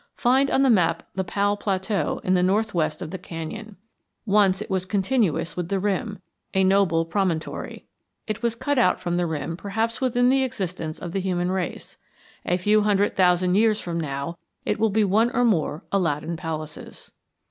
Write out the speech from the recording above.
Find on the map the Powell Plateau in the northwest of the canyon. Once it was continuous with the rim, a noble promontory. It was cut out from the rim perhaps within the existence of the human race. A few hundred thousand years from now it will be one or more Aladdin palaces.